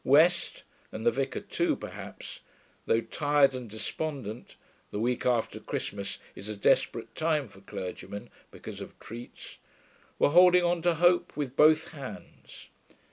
West (and the vicar too, perhaps), though tired and despondent (the week after Christmas is a desperate time for clergymen, because of treats), were holding on to hope with both hands.